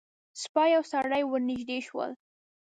سپی او سړی ور نږدې شول.